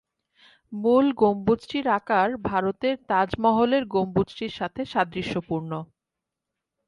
মূল গম্বুজটির আকার ভারতের তাজমহলের গম্বুজটির সাথে সাদৃশ্যপূর্ণ।